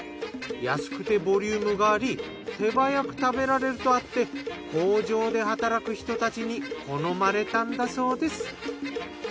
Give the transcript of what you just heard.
安くてボリュームがあり手早く食べられるとあって工場で働く人たちに好まれたんだそうです。